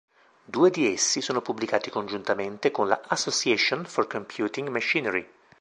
Due di essi sono pubblicati congiuntamente con la Association for Computing Machinery.